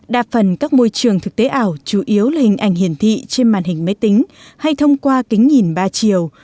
đa phần các môi trường thực tế ảo chủ yếu là hình ảnh hiển thị trên màn hình máy tính hay thông qua kính nhìn ba chiều